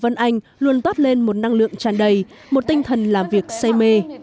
vân anh luôn toát lên một năng lượng tràn đầy một tinh thần làm việc say mê